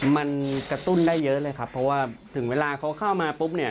มันกระตุ้นได้เยอะเลยครับเพราะว่าถึงเวลาเขาเข้ามาปุ๊บเนี่ย